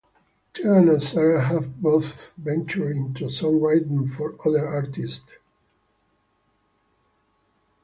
Tegan and Sara have both ventured into songwriting for other artists.